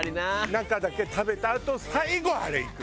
中だけ食べたあと最後あれいく。